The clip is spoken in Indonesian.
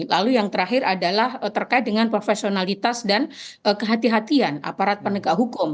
lalu yang terakhir adalah terkait dengan profesionalitas dan kehatian kehatian aparat penegak hukum